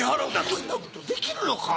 そんなことできるのか？